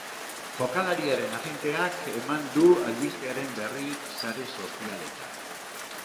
Jokalariaren agenteak eman du albistearen berri sare sozialetan.